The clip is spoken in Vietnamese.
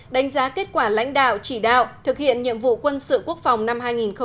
đánh giá kết quả lãnh đạo chỉ đạo thực hiện nhiệm vụ quân sự quốc phòng năm hai nghìn một mươi chín